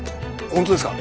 本当ですか？